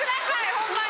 ホンマに。